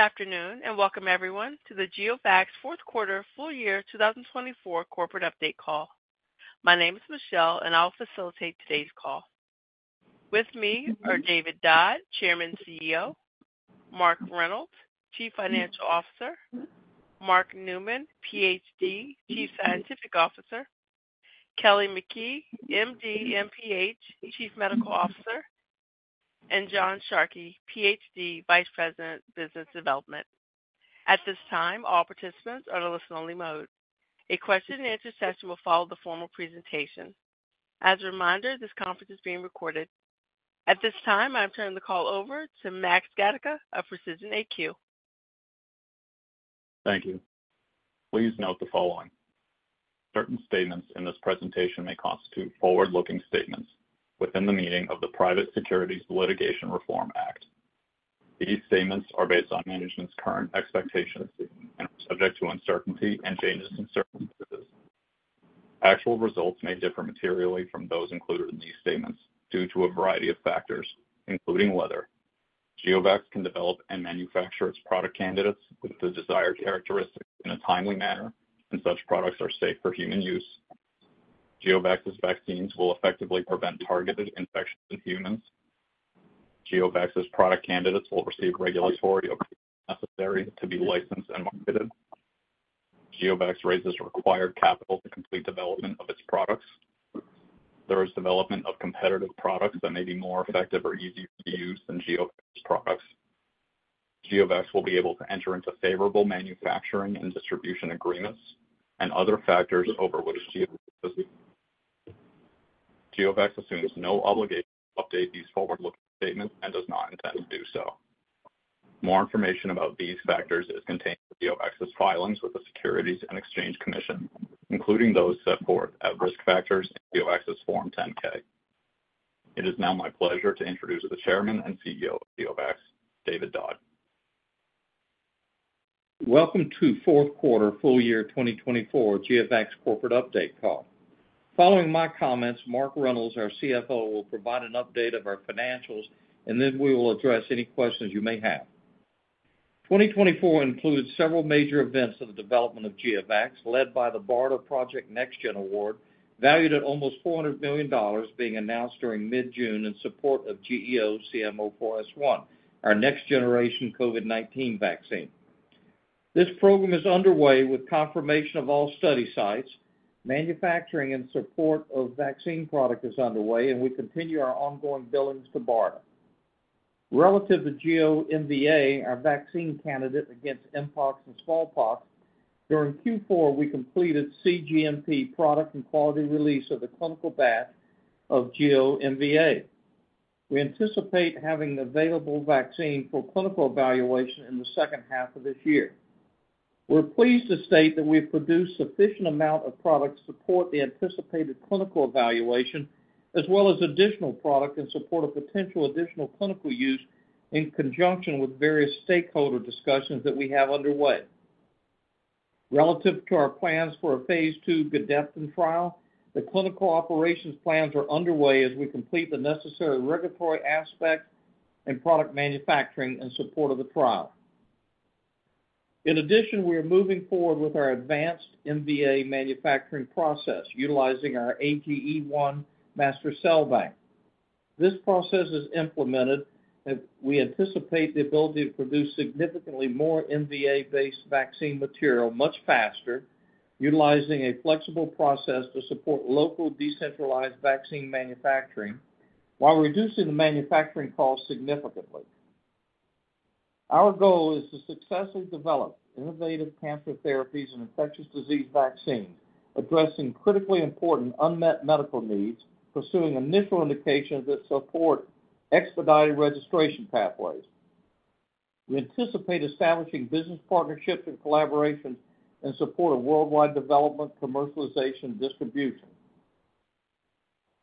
Good afternoon and welcome, everyone, to the GeoVax Fourth Quarter Full Year 2024 Corporate Update Call. My name is Michelle, and I'll facilitate today's call. With me are David Dodd, Chairman and CEO; Mark Reynolds, Chief Financial Officer; Mark Newman, Ph.D., Chief Scientific Officer; Kelly McKee, M.D., M.P.H., Chief Medical Officer; and John Sharkey, Ph.D., Vice President, Business Development. At this time, all participants are in a listen-only mode. A question-and-answer session will follow the formal presentation. As a reminder, this conference is being recorded. At this time, I'm turning the call over to Max Gatica of Precision AQ. Thank you. Please note the following: certain statements in this presentation may constitute forward-looking statements within the meaning of the Private Securities Litigation Reform Act. These statements are based on management's current expectations and are subject to uncertainty and changes in circumstances. Actual results may differ materially from those included in these statements due to a variety of factors, including weather. GeoVax can develop and manufacture its product candidates with the desired characteristics in a timely manner, and such products are safe for human use. GeoVax's vaccines will effectively prevent targeted infections in humans. GeoVax's product candidates will receive regulatory approval necessary to be licensed and marketed. GeoVax raises required capital to complete development of its products. There is development of competitive products that may be more effective or easier to use than GeoVax's products. GeoVax will be able to enter into favorable manufacturing and distribution agreements and other factors over which GeoVax assumes no obligation to update these forward-looking statements and does not intend to do so. More information about these factors is contained in GeoVax's filings with the Securities and Exchange Commission, including those set forth at Risk Factors in GeoVax's Form 10-K. It is now my pleasure to introduce the Chairman and CEO of GeoVax, David Dodd. Welcome to Fourth Quarter Full Year 2024 GeoVax Corporate Update Call. Following my comments, Mark Reynolds, our CFO, will provide an update of our financials, and then we will address any questions you may have. 2024 included several major events in the development of GeoVax, led by the BARDA Project NextGen Award, valued at almost $400 million, being announced during mid-June in support of GEO-CM04S1, our next-generation COVID-19 vaccine. This program is underway with confirmation of all study sites. Manufacturing in support of vaccine product is underway, and we continue our ongoing billings to BARDA. Relative to GEO-MVA, our vaccine candidate against mpox and smallpox, during Q4 we completed CGMP product and quality release of the clinical batch of GEO-MVA. We anticipate having available vaccine for clinical evaluation in the second half of this year. We're pleased to state that we've produced sufficient amount of product to support the anticipated clinical evaluation, as well as additional product in support of potential additional clinical use in conjunction with various stakeholder discussions that we have underway. Relative to our plans for a phase 2 Gedeptin trial, the clinical operations plans are underway as we complete the necessary regulatory aspects and product manufacturing in support of the trial. In addition, we are moving forward with our advanced MVA manufacturing process utilizing our AGE1 Master Cell Bank. This process is implemented, and we anticipate the ability to produce significantly more MVA-based vaccine material much faster, utilizing a flexible process to support local decentralized vaccine manufacturing while reducing the manufacturing cost significantly. Our goal is to successfully develop innovative cancer therapies and infectious disease vaccines, addressing critically important unmet medical needs, pursuing initial indications that support expedited registration pathways. We anticipate establishing business partnerships and collaborations in support of worldwide development, commercialization, and distribution.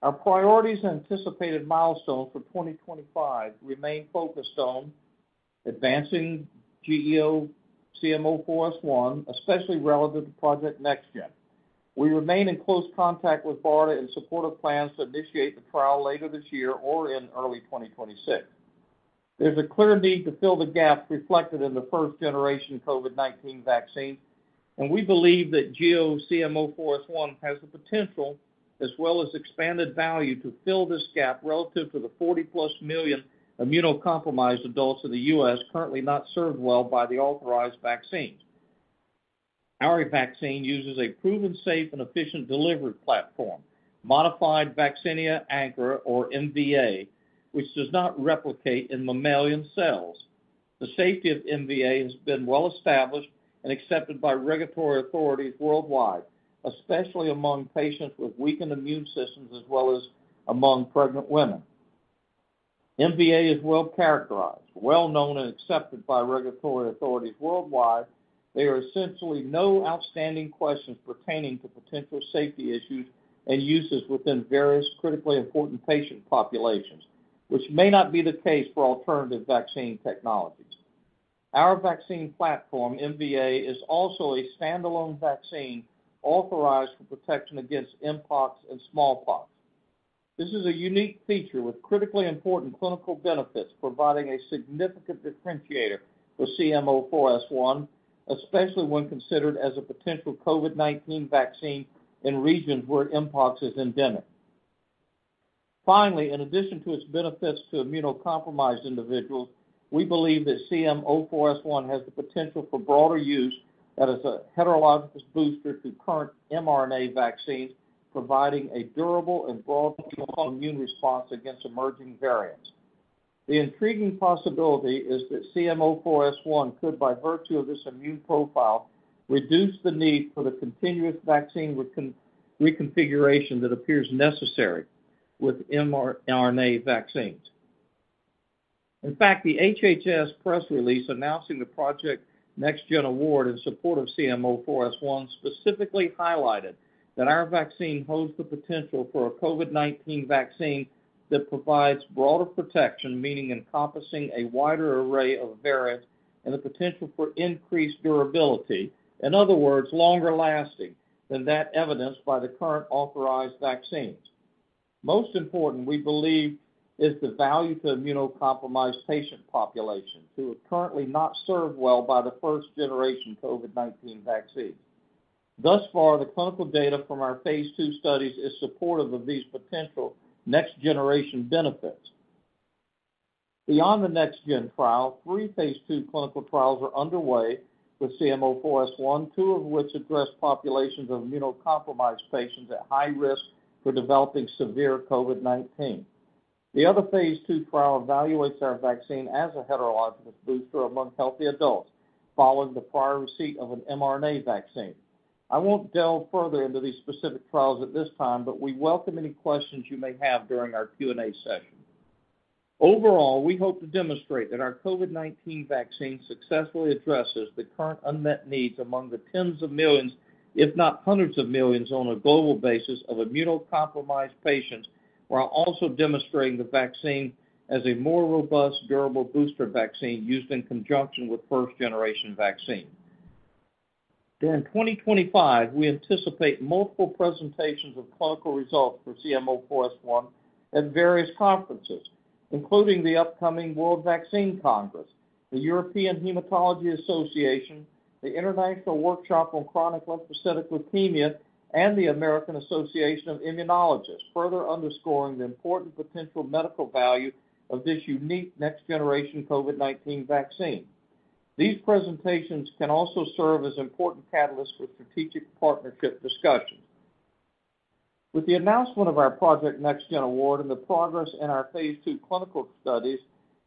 Our priorities and anticipated milestones for 2025 remain focused on advancing GEO-CM04S1, especially relative to Project NextGen. We remain in close contact with BARDA in support of plans to initiate the trial later this year or in early 2026. There's a clear need to fill the gap reflected in the first-generation COVID-19 vaccine, and we believe that GEO-CM04S1 has the potential, as well as expanded value, to fill this gap relative to the 40-plus million immunocompromised adults in the U.S. currently not served well by the authorized vaccines. Our vaccine uses a proven, safe, and efficient delivery platform, modified Vaccinia Ankara or MVA, which does not replicate in mammalian cells. The safety of MVA has been well established and accepted by regulatory authorities worldwide, especially among patients with weakened immune systems as well as among pregnant women. MVA is well characterized, well known, and accepted by regulatory authorities worldwide. There are essentially no outstanding questions pertaining to potential safety issues and uses within various critically important patient populations, which may not be the case for alternative vaccine technologies. Our vaccine platform, MVA, is also a standalone vaccine authorized for protection against mpox and smallpox. This is a unique feature with critically important clinical benefits, providing a significant differentiator for CM04S1, especially when considered as a potential COVID-19 vaccine in regions where mpox is endemic. Finally, in addition to its benefits to immunocompromised individuals, we believe that CM04S1 has the potential for broader use as a heterologous booster to current mRNA vaccines, providing a durable and broad immune response against emerging variants. The intriguing possibility is that CM04S1 could, by virtue of this immune profile, reduce the need for the continuous vaccine reconfiguration that appears necessary with mRNA vaccines. In fact, the HHS press release announcing the Project NextGen Award in support of CM04S1 specifically highlighted that our vaccine holds the potential for a COVID-19 vaccine that provides broader protection, meaning encompassing a wider array of variants and the potential for increased durability, in other words, longer lasting than that evidenced by the current authorized vaccines. Most important, we believe, is the value to immunocompromised patient populations who are currently not served well by the first-generation COVID-19 vaccines. Thus far, the clinical data from our phase two studies is supportive of these potential next-generation benefits. Beyond the NextGen trial, three phase two clinical trials are underway with CM04S1, two of which address populations of immunocompromised patients at high risk for developing severe COVID-19. The other phase two trial evaluates our vaccine as a heterologous booster among healthy adults following the prior receipt of an mRNA vaccine. I won't delve further into these specific trials at this time, but we welcome any questions you may have during our Q&A session. Overall, we hope to demonstrate that our COVID-19 vaccine successfully addresses the current unmet needs among the tens of millions, if not hundreds of millions, on a global basis of immunocompromised patients, while also demonstrating the vaccine as a more robust, durable booster vaccine used in conjunction with first-generation vaccines. In 2025, we anticipate multiple presentations of clinical results for CM04S1 at various conferences, including the upcoming World Vaccine Congress, the European Hematology Association, the International Workshop on Chronic Lymphocytic Leukemia, and the American Association of Immunologists, further underscoring the important potential medical value of this unique next-generation COVID-19 vaccine. These presentations can also serve as important catalysts for strategic partnership discussions. With the announcement of our Project NextGen Award and the progress in our phase two clinical studies,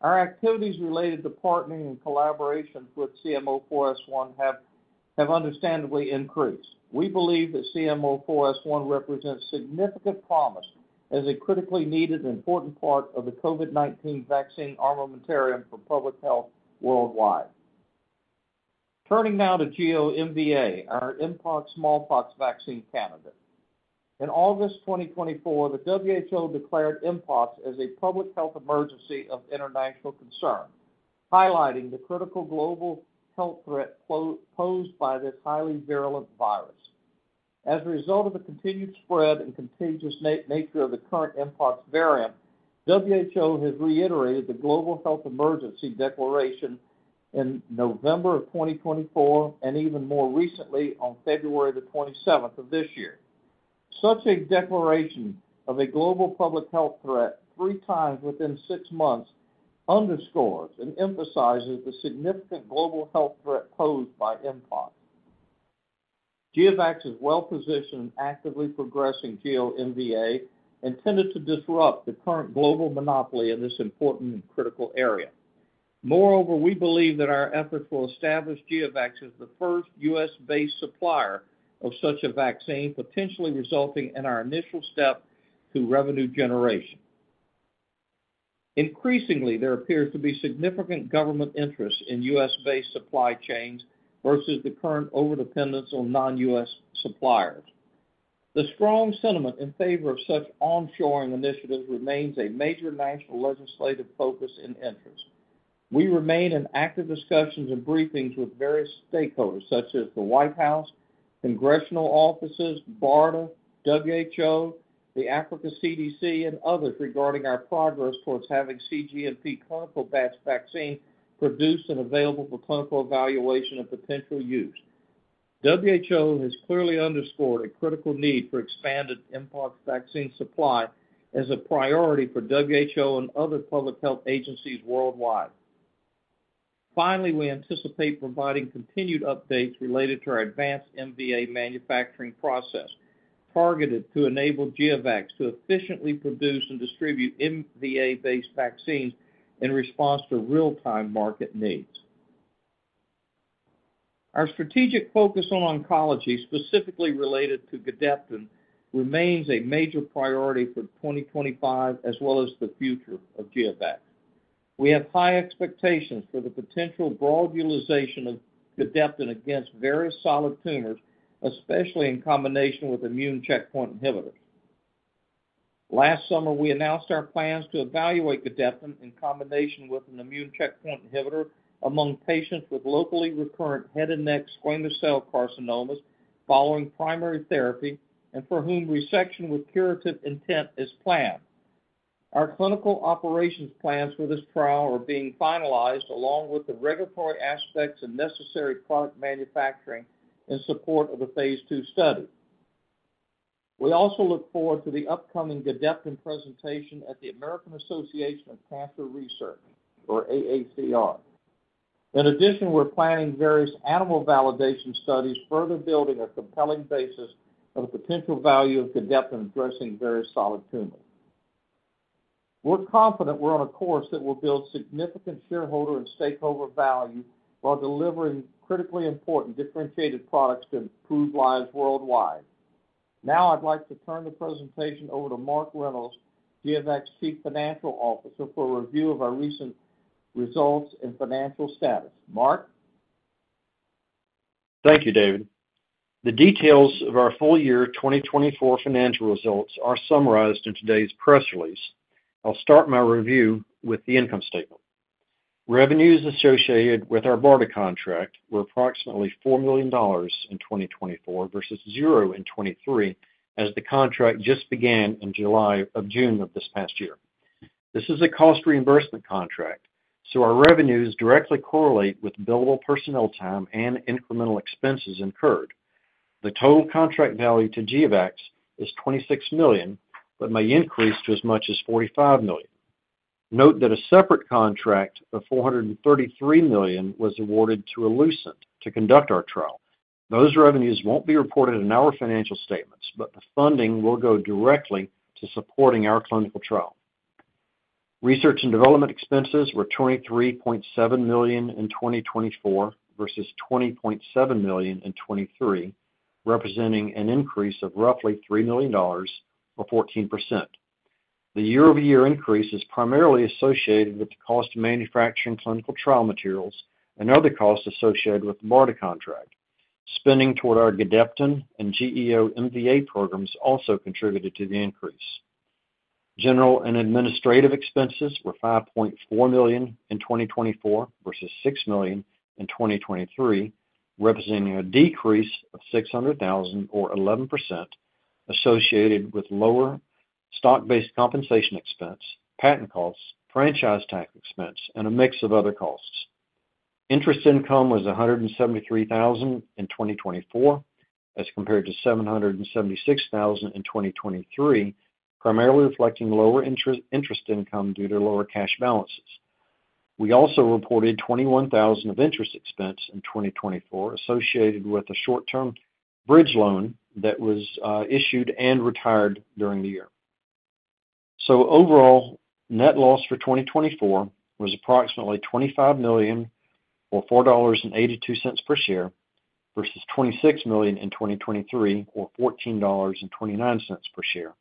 our activities related to partnering and collaborations with CM04S1 have understandably increased. We believe that CM04S1 represents significant promise as a critically needed and important part of the COVID-19 vaccine armamentarium for public health worldwide. Turning now to GEO-MVA, our mpox/smallpox vaccine candidate. In August 2024, the WHO declared mpox as a public health emergency of international concern, highlighting the critical global health threat posed by this highly virulent virus. As a result of the continued spread and contagious nature of the current mpox variant, WHO has reiterated the Global Health Emergency Declaration in November of 2024 and even more recently on February the 27th of this year. Such a declaration of a global public health threat three times within six months underscores and emphasizes the significant global health threat posed by mpox. GeoVax is well positioned and actively progressing GEO-MVA, intended to disrupt the current global monopoly in this important and critical area. Moreover, we believe that our efforts will establish GeoVax as the first U.S.-based supplier of such a vaccine, potentially resulting in our initial step to revenue generation. Increasingly, there appears to be significant government interest in U.S.-based supply chains versus the current overdependence on non-U.S. suppliers. The strong sentiment in favor of such onshoring initiatives remains a major national legislative focus and interest. We remain in active discussions and briefings with various stakeholders, such as the White House, congressional offices, BARDA, WHO, the Africa CDC, and others regarding our progress towards having CGMP clinical batch vaccine produced and available for clinical evaluation and potential use. WHO has clearly underscored a critical need for expanded mpox vaccine supply as a priority for WHO and other public health agencies worldwide. Finally, we anticipate providing continued updates related to our advanced MVA manufacturing process targeted to enable GeoVax to efficiently produce and distribute MVA-based vaccines in response to real-time market needs. Our strategic focus on oncology, specifically related to Gedeptin, remains a major priority for 2025 as well as the future of GeoVax. We have high expectations for the potential broad utilization of Gedeptin against various solid tumors, especially in combination with immune checkpoint inhibitors. Last summer, we announced our plans to evaluate Gedeptin in combination with an immune checkpoint inhibitor among patients with locally recurrent head and neck squamous cell carcinomas following primary therapy and for whom resection with curative intent is planned. Our clinical operations plans for this trial are being finalized, along with the regulatory aspects and necessary product manufacturing in support of the phase two study. We also look forward to the upcoming Gedeptin presentation at the American Association of Cancer Research, or AACR. In addition, we're planning various animal validation studies, further building a compelling basis of the potential value of Gedeptin addressing various solid tumors. We're confident we're on a course that will build significant shareholder and stakeholder value while delivering critically important differentiated products to improve lives worldwide. Now, I'd like to turn the presentation over to Mark Reynolds, GeoVax Chief Financial Officer, for a review of our recent results and financial status. Mark? Thank you, David. The details of our full year 2024 financial results are summarized in today's press release. I'll start my review with the income statement. Revenues associated with our BARDA contract were approximately $4 million in 2024 versus zero in 2023, as the contract just began in July or June of this past year. This is a cost reimbursement contract, so our revenues directly correlate with billable personnel time and incremental expenses incurred. The total contract value to GeoVax is $26 million, but may increase to as much as $45 million. Note that a separate contract of $433 million was awarded to Elucent to conduct our trial. Those revenues won't be reported in our financial statements, but the funding will go directly to supporting our clinical trial. Research and development expenses were $23.7 million in 2024 versus $20.7 million in 2023, representing an increase of roughly $3 million or 14%. The year-over-year increase is primarily associated with the cost of manufacturing clinical trial materials and other costs associated with the BARDA contract. Spending toward our Gedeptin and GEO-MVA programs also contributed to the increase. General and administrative expenses were $5.4 million in 2024 versus $6 million in 2023, representing a decrease of $600,000 or 11%, associated with lower stock-based compensation expense, patent costs, franchise tax expense, and a mix of other costs. Interest income was $173,000 in 2024 as compared to $776,000 in 2023, primarily reflecting lower interest income due to lower cash balances. We also reported $21,000 of interest expense in 2024, associated with a short-term bridge loan that was issued and retired during the year. Overall, net loss for 2024 was approximately $25 million or $4.82 per share versus $26 million in 2023 or $14.29 per share,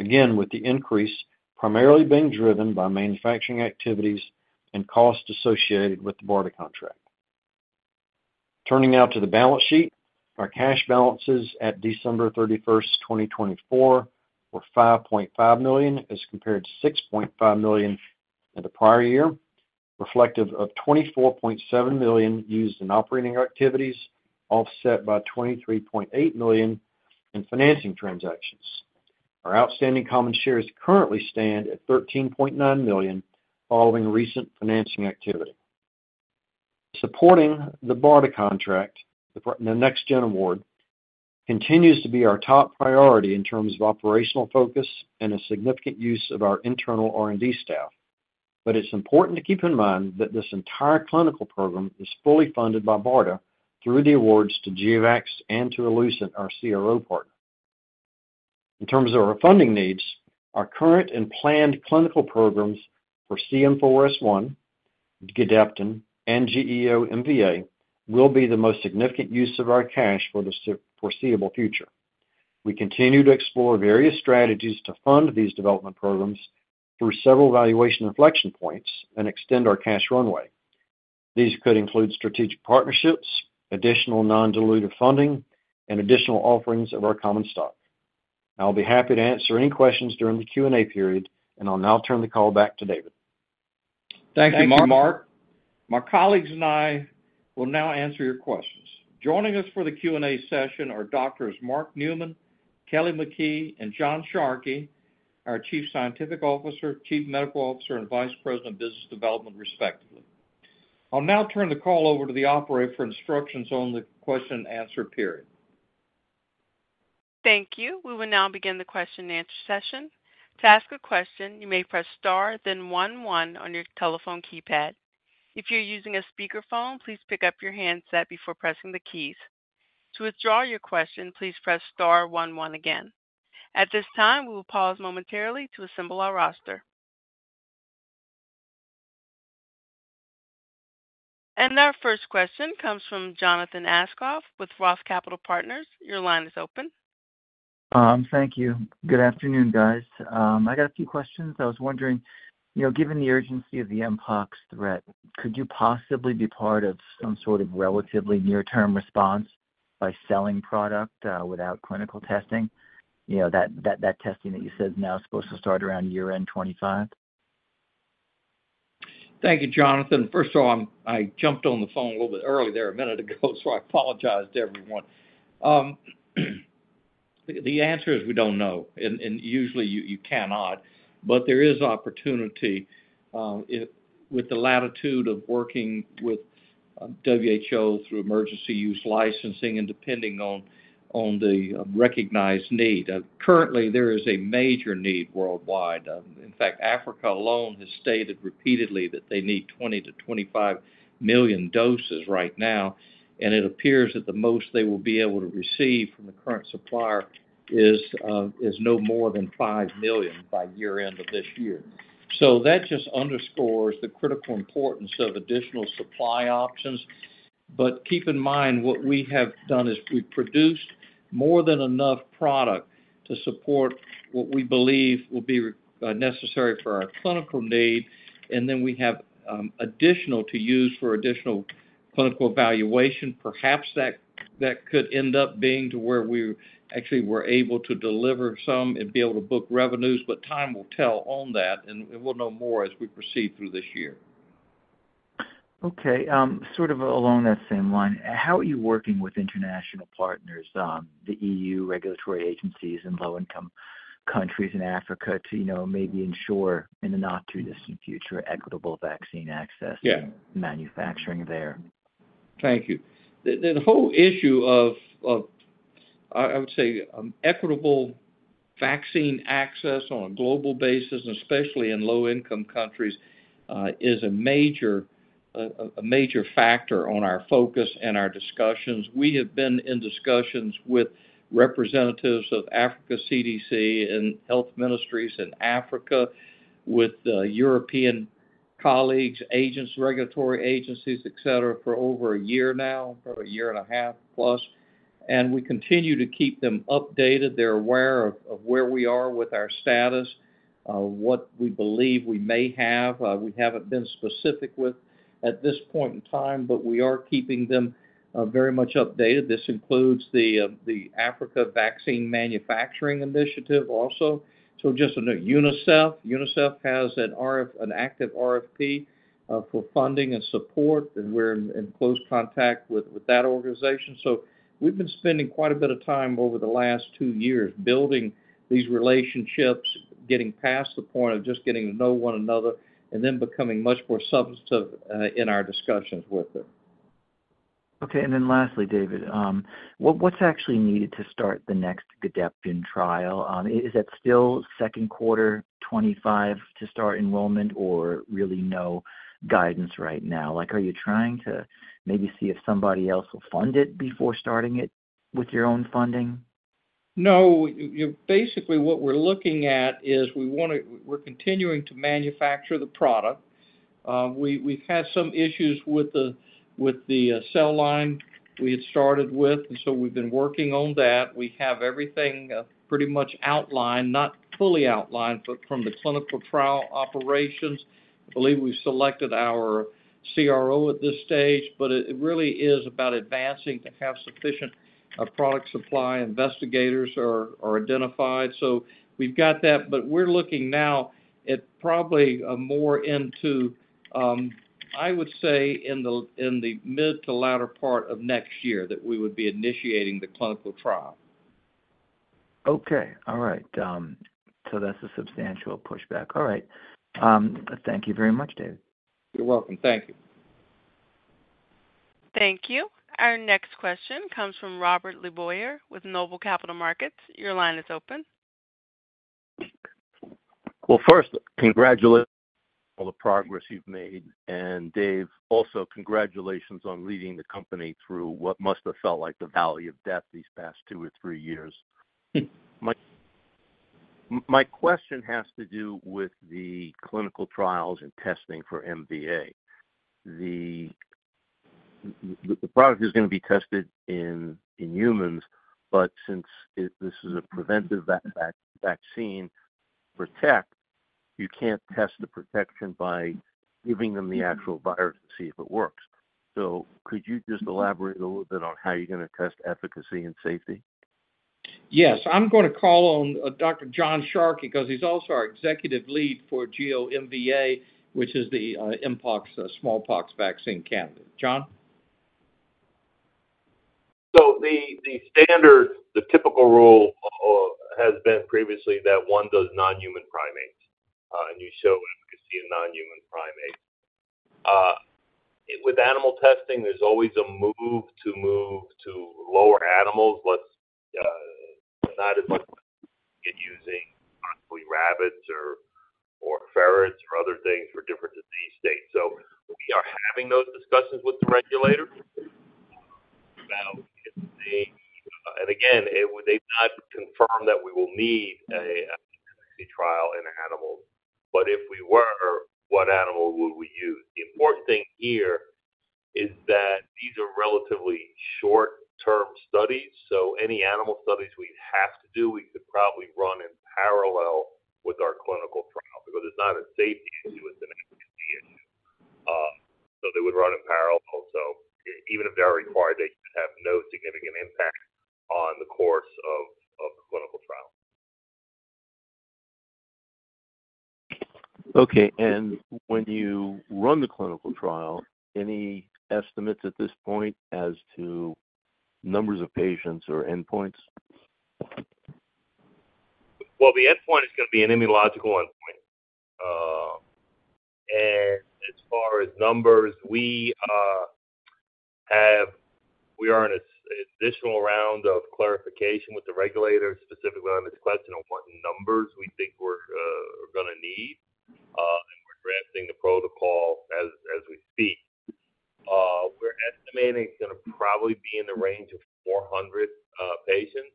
again with the increase primarily being driven by manufacturing activities and costs associated with the BARDA contract. Turning now to the balance sheet, our cash balances at December 31, 2024, were $5.5 million as compared to $6.5 million in the prior year, reflective of $24.7 million used in operating activities, offset by $23.8 million in financing transactions. Our outstanding common shares currently stand at 13.9 million following recent financing activity. Supporting the BARDA contract, the NextGen Award, continues to be our top priority in terms of operational focus and a significant use of our internal R&D staff. It's important to keep in mind that this entire clinical program is fully funded by BARDA through the awards to GeoVax and to Elucent, our CRO partner. In terms of our funding needs, our current and planned clinical programs for CM04S1, Gedeptin, and GEO-MVA will be the most significant use of our cash for the foreseeable future. We continue to explore various strategies to fund these development programs through several valuation inflection points and extend our cash runway. These could include strategic partnerships, additional non-dilutive funding, and additional offerings of our common stock. I'll be happy to answer any questions during the Q&A period, and I'll now turn the call back to David. Thank you, Mark. Thank you, Mark. My colleagues and I will now answer your questions. Joining us for the Q&A session are Doctors Mark Newman, Kelly McKee, and John Sharkey, our Chief Scientific Officer, Chief Medical Officer, and Vice President of Business Development, respectively. I'll now turn the call over to the operator for instructions on the question and answer period. Thank you. We will now begin the question and answer session. To ask a question, you may press star, then 11 on your telephone keypad. If you're using a speakerphone, please pick up your handset before pressing the keys. To withdraw your question, please press star, 11 again. At this time, we will pause momentarily to assemble our roster. Our first question comes from Jonathan Aschoff with Roth Capital Partners. Your line is open. Thank you. Good afternoon, guys. I got a few questions. I was wondering, given the urgency of the mpox threat, could you possibly be part of some sort of relatively near-term response by selling product without clinical testing? That testing that you said is now supposed to start around year-end 2025? Thank you, Jonathan. First of all, I jumped on the phone a little bit early there a minute ago, so I apologize to everyone. The answer is we don't know. And usually, you cannot. But there is opportunity with the latitude of working with WHO through emergency use licensing and depending on the recognized need. Currently, there is a major need worldwide. In fact, Africa alone has stated repeatedly that they need 20-25 million doses right now. And it appears that the most they will be able to receive from the current supplier is no more than $5 million by year-end of this year. That just underscores the critical importance of additional supply options. Keep in mind, what we have done is we've produced more than enough product to support what we believe will be necessary for our clinical need. We have additional to use for additional clinical evaluation. Perhaps that could end up being to where we actually were able to deliver some and be able to book revenues. Time will tell on that, and we'll know more as we proceed through this year. Okay. Sort of along that same line, how are you working with international partners, the EU regulatory agencies and low-income countries in Africa, to maybe ensure in the not-too-distant future equitable vaccine access and manufacturing there? Thank you. The whole issue of, I would say, equitable vaccine access on a global basis, and especially in low-income countries, is a major factor on our focus and our discussions. We have been in discussions with representatives of Africa CDC and health ministries in Africa, with European colleagues, agents, regulatory agencies, etc., for over a year now, probably a year and a half plus. We continue to keep them updated. They're aware of where we are with our status, what we believe we may have. We haven't been specific with at this point in time, but we are keeping them very much updated. This includes the Africa Vaccine Manufacturing Initiative also. Just to note, UNICEF. UNICEF has an active RFP for funding and support, and we're in close contact with that organization. We have been spending quite a bit of time over the last two years building these relationships, getting past the point of just getting to know one another, and then becoming much more substantive in our discussions with them. Okay. Lastly, David, what is actually needed to start the next Gedeptin trial? Is that still second quarter 2025 to start enrollment, or really no guidance right now? Are you trying to maybe see if somebody else will fund it before starting it with your own funding? No. Basically, what we are looking at is we are continuing to manufacture the product. We have had some issues with the cell line we had started with, and so we have been working on that. We have everything pretty much outlined, not fully outlined, but from the clinical trial operations. I believe we've selected our CRO at this stage, but it really is about advancing to have sufficient product supply investigators identified. So we've got that. We're looking now at probably more into, I would say, in the mid to latter part of next year that we would be initiating the clinical trial. Okay. All right. That's a substantial pushback. All right. Thank you very much, David. You're welcome. Thank you. Thank you. Our next question comes from Robert LeBoyer with Noble Capital Markets. Your line is open. First, congratulations on all the progress you've made. And, Dave, also congratulations on leading the company through what must have felt like the valley of death these past two or three years. My question has to do with the clinical trials and testing for MVA. The product is going to be tested in humans, but since this is a preventive vaccine protect, you can't test the protection by giving them the actual virus to see if it works. Could you just elaborate a little bit on how you're going to test efficacy and safety? Yes. I'm going to call on Dr. John Sharkey because he's also our executive lead for GEO-MVA, which is the mpox, smallpox vaccine candidate. John? The standard, the typical rule has been previously that one does non-human primates, and you show efficacy in non-human primates. With animal testing, there's always a move to move to lower animals, not as much as using possibly rabbits or ferrets or other things for different disease states. We are having those discussions with the regulator about if they—and again, they've not confirmed that we will need an efficacy trial in animals. If we were, what animal would we use? The important thing here is that these are relatively short-term studies. Any animal studies we'd have to do, we could probably run in parallel with our clinical trial because it's not a safety issue; it's an efficacy issue. They would run in parallel. Even if they're required, they should have no significant impact on the course of the clinical trial. Okay. When you run the clinical trial, any estimates at this point as to numbers of patients or endpoints? The endpoint is going to be an immunological endpoint. As far as numbers, we are in an additional round of clarification with the regulator specifically on this question of what numbers we think we're going to need. We're drafting the protocol as we speak. We're estimating it's going to probably be in the range of 400 patients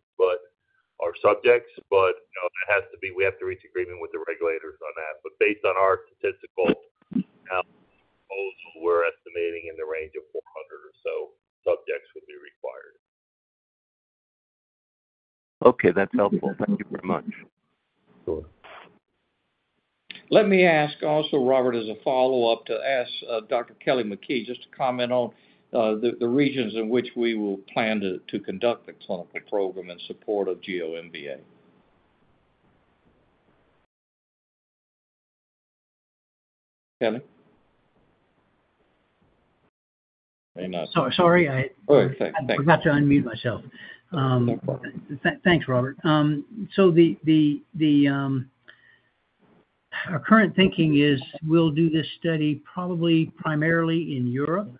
or subjects, but that has to be—we have to reach agreement with the regulators on that. But based on our statistical proposal, we're estimating in the range of 400 or so subjects would be required. Okay. That's helpful. Thank you very much. Let me ask also, Robert, as a follow-up to ask Dr. Kelly McKee just to comment on the regions in which we will plan to conduct the clinical program in support of GEO-MVA. Kelly? Sorry. Sorry. I forgot to unmute myself. No problem. Thanks, Robert. Our current thinking is we'll do this study probably primarily in Europe,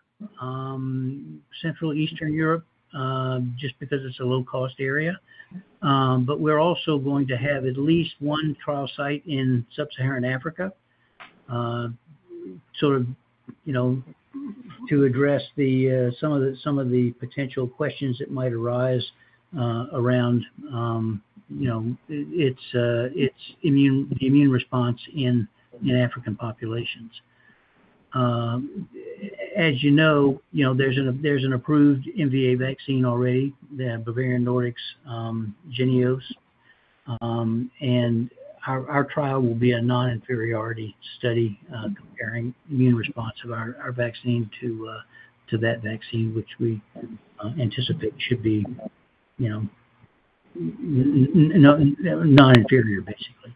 Central, Eastern Europe, just because it's a low-cost area. We're also going to have at least one trial site in Sub-Saharan Africa to address some of the potential questions that might arise around its immune response in African populations. As you know, there's an approved MVA vaccine already, the Bavarian Nordic's Jynneos. Our trial will be a non-inferiority study comparing immune response of our vaccine to that vaccine, which we anticipate should be non-inferior, basically.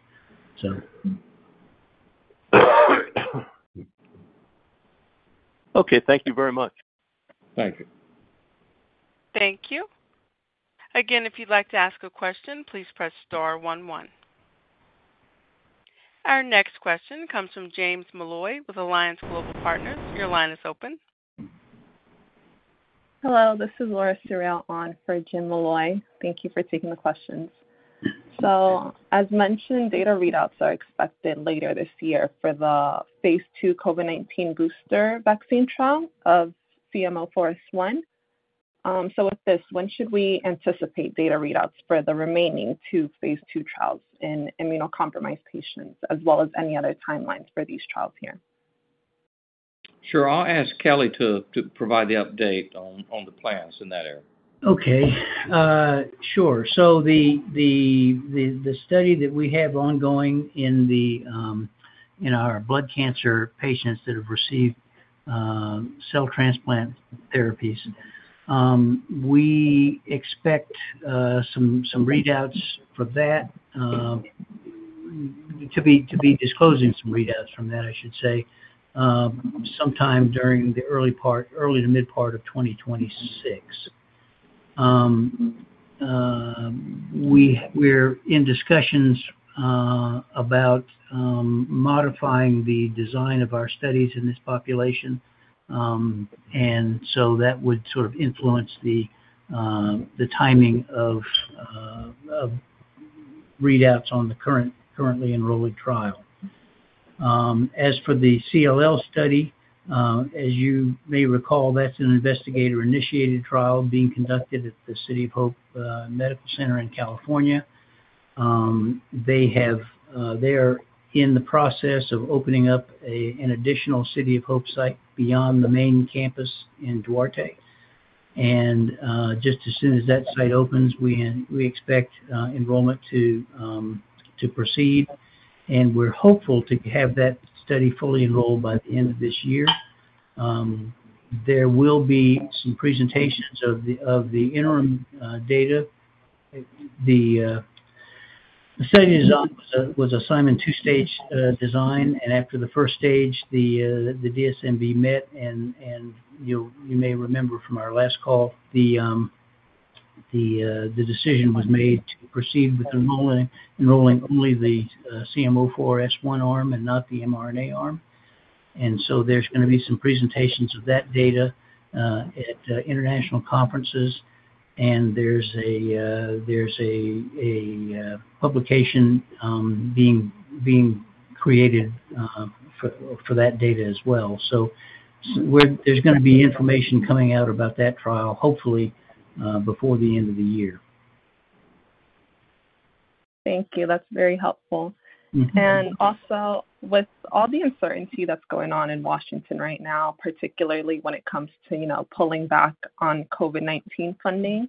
Okay. Thank you very much. Thank you. Thank you. Again, if you'd like to ask a question, please press star, 11. Our next question comes from James Malloy with Alliance Global Partners. Your line is open. Hello. This is Laura Suriel on for Jim Malloy. Thank you for taking the questions. As mentioned, data readouts are expected later this year for the phase two COVID-19 booster vaccine trial of CMO4S1. With this, when should we anticipate data readouts for the remaining two phase 2 trials in immunocompromised patients, as well as any other timelines for these trials here? Sure. I'll ask Kelly to provide the update on the plans in that area. Okay. Sure. The study that we have ongoing in our blood cancer patients that have received cell transplant therapies, we expect some readouts for that to be disclosing some readouts from that, I should say, sometime during the early to mid-part of 2026. We're in discussions about modifying the design of our studies in this population. That would sort of influence the timing of readouts on the currently enrolling trial. As for the CLL study, as you may recall, that's an investigator-initiated trial being conducted at the City of Hope Medical Center in California. They're in the process of opening up an additional City of Hope site beyond the main campus in Duarte. Just as soon as that site opens, we expect enrollment to proceed. We're hopeful to have that study fully enrolled by the end of this year. There will be some presentations of the interim data. The study was a Simon two-stage design. After the first stage, the DSMB met. You may remember from our last call, the decision was made to proceed with enrolling only the CM04S1 arm and not the mRNA arm. There's going to be some presentations of that data at international conferences. There's a publication being created for that data as well. There's going to be information coming out about that trial, hopefully before the end of the year. Thank you. That's very helpful. Also, with all the uncertainty that's going on in Washington right now, particularly when it comes to pulling back on COVID-19 funding,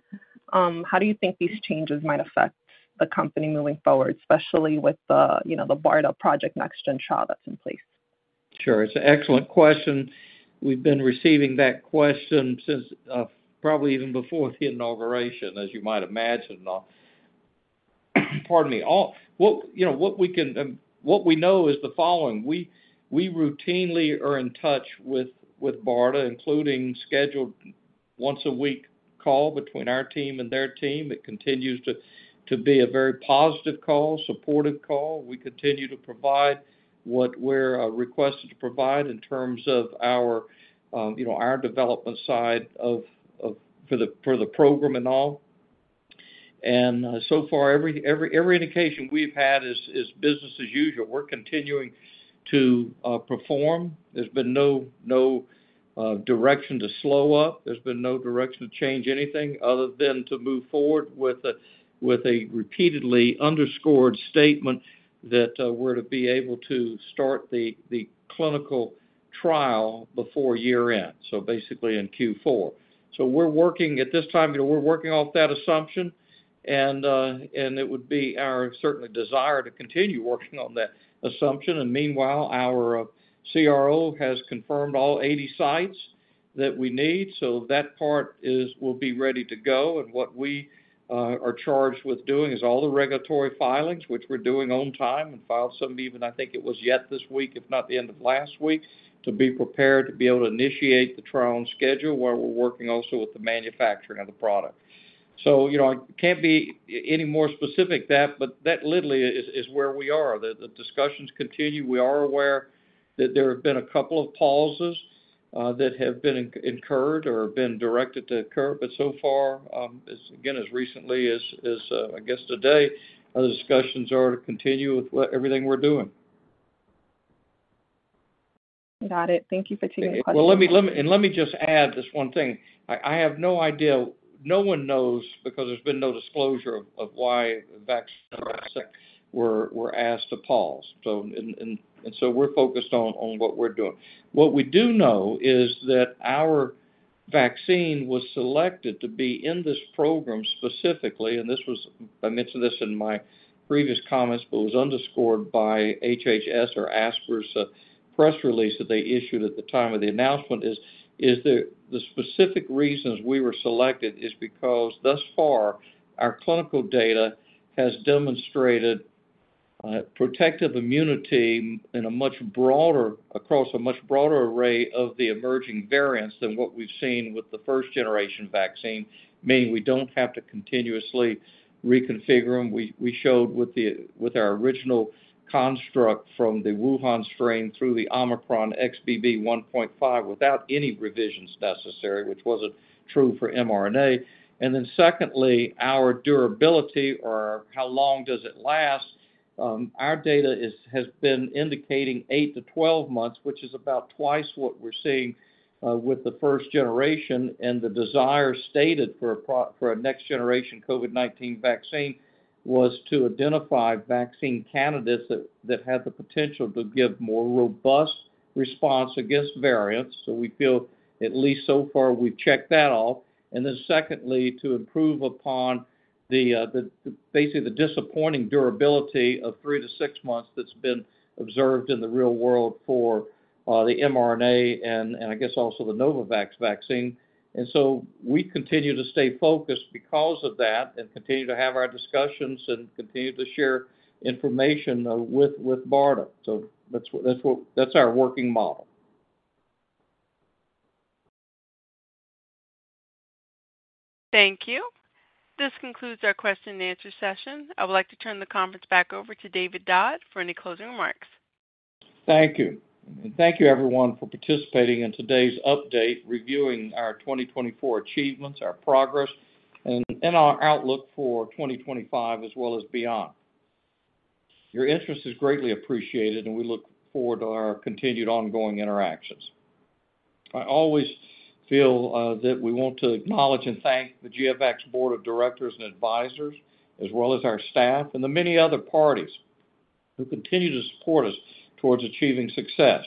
how do you think these changes might affect the company moving forward, especially with the BARDA Project NextGen trial that's in place? Sure. It's an excellent question. We've been receiving that question since probably even before the inauguration, as you might imagine. Pardon me. What we know is the following. We routinely are in touch with BARDA, including scheduled once-a-week call between our team and their team. It continues to be a very positive call, supportive call. We continue to provide what we're requested to provide in terms of our development side for the program and all. So far, every indication we've had is business as usual. We're continuing to perform. There's been no direction to slow up. There's been no direction to change anything other than to move forward with a repeatedly underscored statement that we're to be able to start the clinical trial before year-end, basically in Q4. We are working at this time, we are working off that assumption. It would be our certainly desire to continue working on that assumption. Meanwhile, our CRO has confirmed all 80 sites that we need. That part will be ready to go. What we are charged with doing is all the regulatory filings, which we are doing on time and filed some even, I think it was yet this week, if not the end of last week, to be prepared to be able to initiate the trial and schedule while we are working also with the manufacturing of the product. I cannot be any more specific than that, but that literally is where we are. The discussions continue. We are aware that there have been a couple of pauses that have been incurred or have been directed to occur. So far, as again, as recently as, I guess, today, the discussions are to continue with everything we're doing. Got it. Thank you for taking the question. Let me just add this one thing. I have no idea, no one knows because there's been no disclosure of why vaccine trials were asked to pause. We are focused on what we're doing. What we do know is that our vaccine was selected to be in this program specifically. I mentioned this in my previous comments, but it was underscored by HHS or ASPR's press release that they issued at the time of the announcement. The specific reasons we were selected is because thus far, our clinical data has demonstrated protective immunity across a much broader array of the emerging variants than what we've seen with the first-generation vaccine, meaning we don't have to continuously reconfigure them. We showed with our original construct from the Wuhan strain through the Omicron XBB.1.5 without any revisions necessary, which wasn't true for mRNA. Secondly, our durability or how long does it last? Our data has been indicating 8-12 months, which is about twice what we're seeing with the first generation. The desire stated for a next-generation COVID-19 vaccine was to identify vaccine candidates that had the potential to give more robust response against variants. We feel, at least so far, we've checked that off. Secondly, to improve upon basically the disappointing durability of three to six months that's been observed in the real world for the mRNA and I guess also the Novavax vaccine. We continue to stay focused because of that and continue to have our discussions and continue to share information with BARDA. That's our working model. Thank you. This concludes our question-and-answer session. I would like to turn the conference back over to David Dodd for any closing remarks. Thank you. Thank you, everyone, for participating in today's update, reviewing our 2024 achievements, our progress, and our outlook for 2025 as well as beyond. Your interest is greatly appreciated, and we look forward to our continued ongoing interactions. I always feel that we want to acknowledge and thank the GeoVax Board of Directors and Advisors, as well as our staff and the many other parties who continue to support us towards achieving success.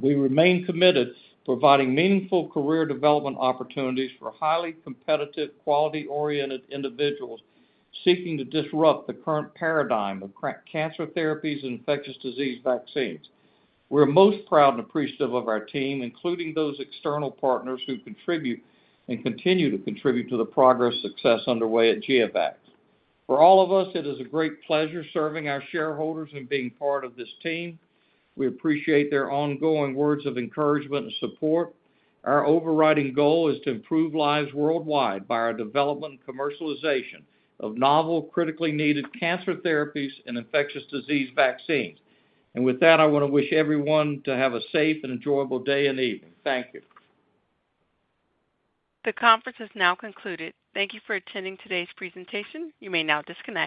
We remain committed to providing meaningful career development opportunities for highly competitive, quality-oriented individuals seeking to disrupt the current paradigm of cancer therapies and infectious disease vaccines. We're most proud and appreciative of our team, including those external partners who contribute and continue to contribute to the progress success underway at GeoVax. For all of us, it is a great pleasure serving our shareholders and being part of this team. We appreciate their ongoing words of encouragement and support. Our overriding goal is to improve lives worldwide by our development and commercialization of novel, critically needed cancer therapies and infectious disease vaccines. With that, I want to wish everyone to have a safe and enjoyable day and evening. Thank you. The conference has now concluded. Thank you for attending today's presentation. You may now disconnect.